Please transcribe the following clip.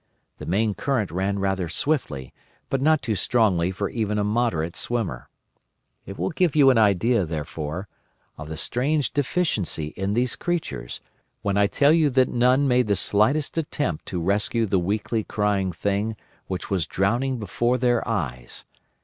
The main current ran rather swiftly, but not too strongly for even a moderate swimmer. It will give you an idea, therefore, of the strange deficiency in these creatures, when I tell you that none made the slightest attempt to rescue the weakly crying little thing which was drowning before their eyes.